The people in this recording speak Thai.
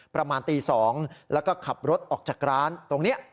ประมาณตี๒แล้วก็ขับรถออกจากร้านตรงนี้